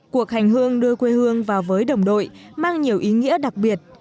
cuộc hành hương đưa quê hương vào với đồng đội mang nhiều ý nghĩa đặc biệt